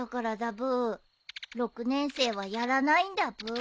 ６年生はやらないんだブー。